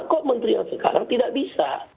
kok menteri yang sekarang tidak bisa